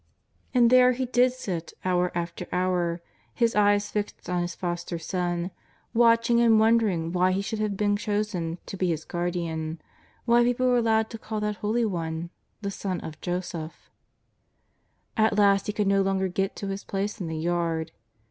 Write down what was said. And there he did sit hour after hour, his eyes fixed on his Foster Son, watching and wondering why he should have been chosen to be His guardian, why people were allowed to call that Holy One " the Son of Joseph." At last he could no longer get to his place in the yard.